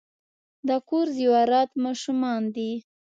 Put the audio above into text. د کور زیورات ماشومان دي .